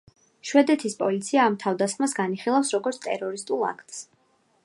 შვედეთის პოლიცია ამ თავდასხმას განიხილავს, როგორც ტერორისტულ აქტს.